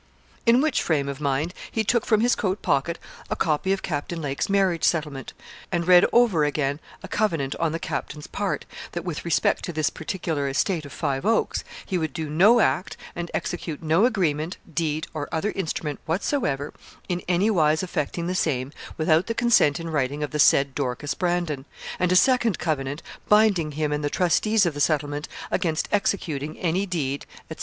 In which frame of mind he took from his coat pocket a copy of Captain Lake's marriage settlement, and read over again a covenant on the captain's part that, with respect to this particular estate of Five Oaks, he would do no act, and execute no agreement, deed, or other instrument whatsoever, in any wise affecting the same, without the consent in writing of the said Dorcas Brandon; and a second covenant binding him and the trustees of the settlement against executing any deed, &c.